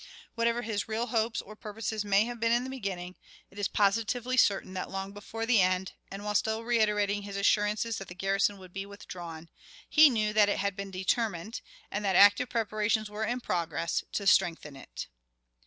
Whatever his real hopes or purposes may have been in the beginning, it is positively certain that long before the end, and while still reiterating his assurances that the garrison would be withdrawn, he knew that it had been determined, and that active preparations were in progress, to strengthen it.